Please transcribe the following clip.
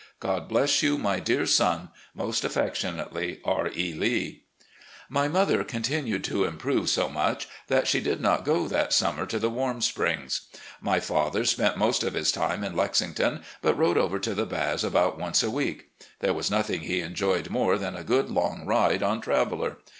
God bless you, my dear son. "Most affectionately, "R. E. Lee." My mother continued to improve so much that she did not go that summer to the Warm Springs. My father spent most of his time in Lexington, but rode over to the Baths about once a week. There was nothing he enjoyed more than a good long ride on Traveller.